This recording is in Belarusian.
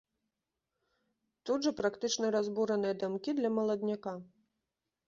Тут жа практычна разбураныя дамкі для маладняка.